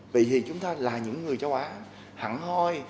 vì chúng ta là những người châu á hẳn hoi